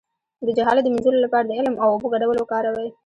د جهالت د مینځلو لپاره د علم او اوبو ګډول وکاروئ